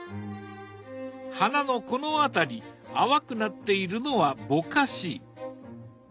花のこの辺り淡くなっているのは「ぼかし」。